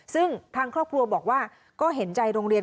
ซึ่งทางครอบครัวบอกว่าก็เห็นใจโรงเรียน